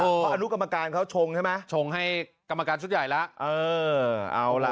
เพราะอนุกรรมการเขาชงใช่ไหมชงให้กรรมการชุดใหญ่แล้ว